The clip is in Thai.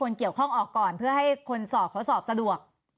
เกี่ยวข้องออกก่อนเพื่อให้คนสอบเขาสอบสะดวก